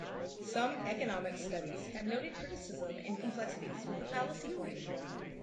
Some economics studies have noted criticism and complexities with the fallacy claim.